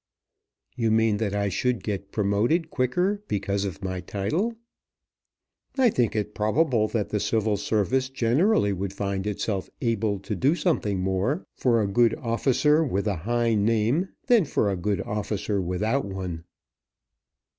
"You mean that I should get promoted quicker because of my title?" "I think it probable that the Civil Service generally would find itself able to do something more for a good officer with a high name than for a good officer without one."